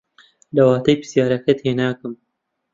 لە واتای پرسیارەکە تێناگەم.